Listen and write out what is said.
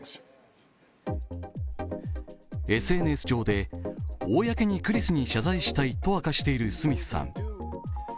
ＳＮＳ上で公にクリスに謝罪したいと明かしているスミスさん。